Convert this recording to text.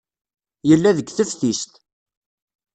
Yella deg teftist.